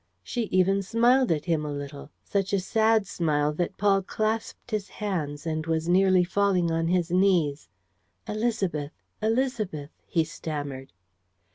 She even smiled at him a little, such a sad smile that Paul clasped his hands and was nearly falling on his knees: "Élisabeth. ... Élisabeth," he stammered.